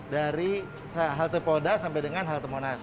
dari halte polda sampai dengan halte monas